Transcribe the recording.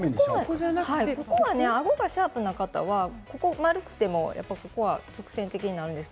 あごがシャープな方はほおが丸くても直線的になるんです。